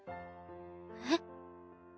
えっ？